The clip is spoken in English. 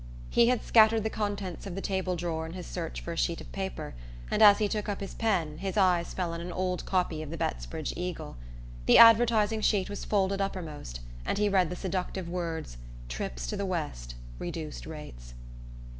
He had scattered the contents of the table drawer in his search for a sheet of paper, and as he took up his pen his eye fell on an old copy of the Bettsbridge Eagle. The advertising sheet was folded uppermost, and he read the seductive words: "Trips to the West: Reduced Rates."